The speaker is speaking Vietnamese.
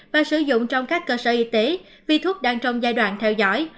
và sử dụng trong các cơ sở y tế vì thuốc đang trong giai đoạn theo dõi